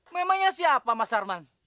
memangnya siapa mas arman